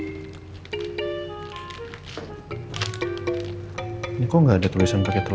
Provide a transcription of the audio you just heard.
ini kok gak ada tulisan pake telur ya